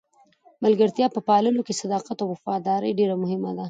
د ملګرتیا په پاللو کې صداقت او وفاداري ډېره مهمه ده.